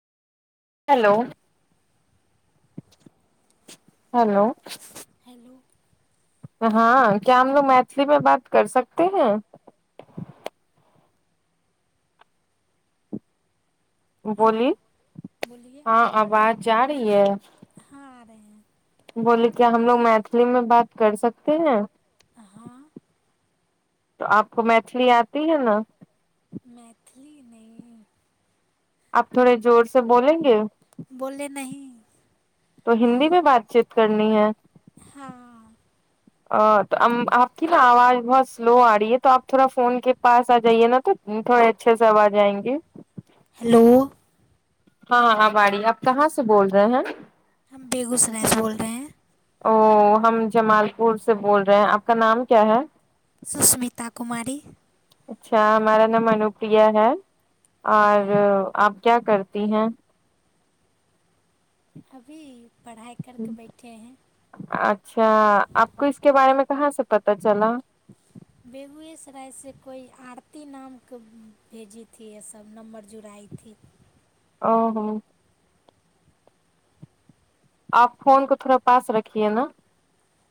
Hello hello. Hello. हं क्या हमलोग मैथिली मे बात कर सकते हैं। हेलो बोली बोलिए हं आवाज जा रही है। हाँ आ रहे हैं बोले क्या हमलोग मैथिली में बात कर सकते है। हां। तो आपको मैथिली आती है न। मैथिली नही। आप थोड़े जोर से बोलेंगे। बोले नही। तो हिन्दी मे बातचीत करनी है। हां। अ तऽ अम आपकी आवाज बहुत स्लो आ रही है तो आप थोड़ा फोन के पास आ जाइए न त। थोड़े अच्छे से आवाज आएंगी। हेलो। हं अब आ रही है। आप कहां से बोल रहे हैं। हम बेगूसराय से बोल रहे है। ओ हम जमालपुर से बोल रहे है आपका नाम क्या है। सुष्मिता कुमारी। अच्छा हमारा नाम अनुप्रिया है और हाँ आप क्या करती हैं। अभी पढ़ाइ करके बैठे हैं। अच्छा आपको इसके बारे मे कहां से पता चला। बेगुएसराय से कोई आरती नाम के भेजी थी ये सब नम्बर जुड़ाई थी। ओ हो। आप फोन को थोड़ा पास रखिए न।